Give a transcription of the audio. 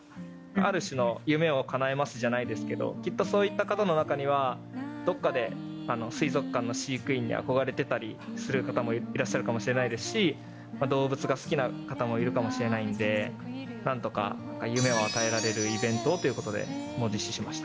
ある種の夢をかなえますじゃないですけど、きっとそういった方の中には、どっかで水族館の飼育員に憧れてたりする方もいらっしゃるかもしれないですし、動物が好きな方もいるかもしれないんで、なんとか夢を与えられるイベントをということで、実施しました。